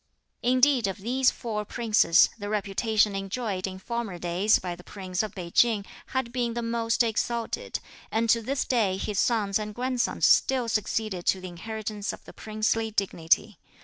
Indeed of these four Princes, the reputation enjoyed in former days by the Prince of Pei Ching had been the most exalted, and to this day his sons and grandsons still succeeded to the inheritance of the princely dignity.